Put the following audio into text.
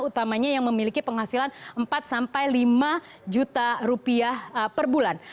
utamanya yang memiliki penghasilan empat sampai lima juta rupiah per bulan